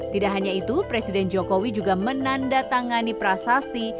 tidak hanya itu presiden jokowi juga menandatangani prasasti